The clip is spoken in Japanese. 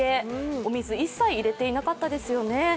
お水一切入れていなかったですよね。